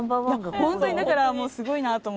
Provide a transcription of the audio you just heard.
本当にだからもうすごいなと思って。